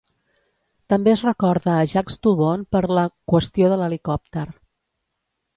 També es recorda a Jacques Toubon per la "qüestió de l'helicòpter".